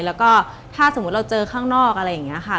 แล้วก็ถ้าสมมุติเราเจอข้างนอกอะไรอย่างนี้ค่ะ